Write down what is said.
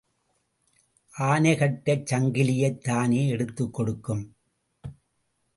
ஆனை கட்டச் சங்கிலியைத் தானே எடுத்துக் கொடுக்கும்.